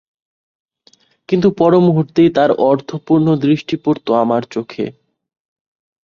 কিন্তু পরমুহুর্তেই তার অর্থপূর্ণ দৃষ্টি পড়ত আমার চোখে।